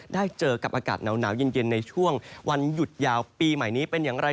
ได้เจอกับอากาศหนาวเย็นในช่วงวันหยุดยาวปีใหม่นี้เป็นอย่างไร